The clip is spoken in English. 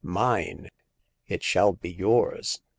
mine ! It shall be yours.